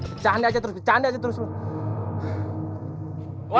pecah anda aja terus pecah anda aja terus lo